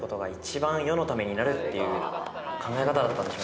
っていう考え方だったんでしょうね。